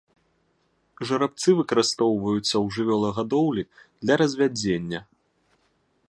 Жарабцы выкарыстоўваюцца ў жывёлагадоўлі для развядзення.